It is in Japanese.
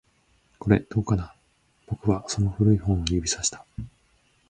これ、どうかな？僕はその古い本を指差した